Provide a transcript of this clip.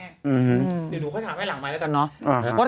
เดี๋ยวหนูค่อยถามให้หลังใหม่แล้วกันเนาะ